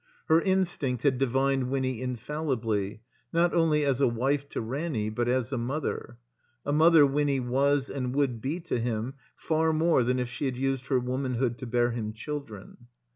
Her instinct had divined Winny infallibly, not only as a wife to Ranny, but as a mother. A mother Winny was and would be to him far more than if she had used her womanhood to bear him children.